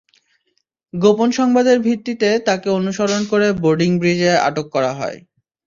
গোপন সংবাদের ভিত্তিতে তাঁকে অনুসরণ করে বোর্ডিং ব্রিজে আটক করা হয়।